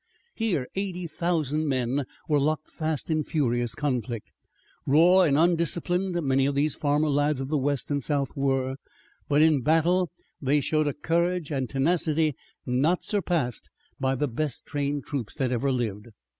Here eighty thousand men were locked fast in furious conflict. Raw and undisciplined many of these farmer lads of the west and south were, but in battle they showed a courage and tenacity not surpassed by the best trained troops that ever lived.